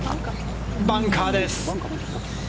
バンカーです。